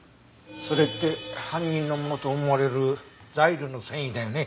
それって犯人のものと思われるザイルの繊維だよね？